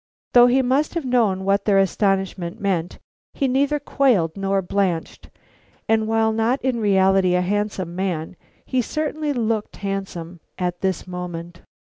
Though he must have known what their astonishment meant, he neither quailed nor blanched, and while not in reality a handsome man, he certainly looked handsome at this moment.